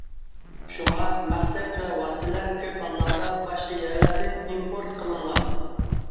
شۇڭا، مەقسەت ۋە ۋاسىتىلەر كۆپ ھاللاردا باشقا يەرلەردىن ئىمپورت قىلىنغان.